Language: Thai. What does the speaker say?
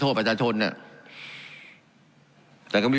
การปรับปรุงทางพื้นฐานสนามบิน